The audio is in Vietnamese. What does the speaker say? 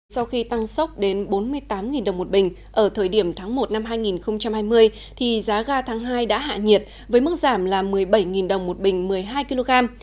sau khi tăng sốc đến bốn mươi tám đồng một bình ở thời điểm tháng một năm hai nghìn hai mươi thì giá ga tháng hai đã hạ nhiệt với mức giảm là một mươi bảy đồng một bình một mươi hai kg